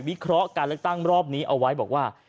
เคราะห์การเลือกตั้งรอบนี้เอาไว้บอกว่า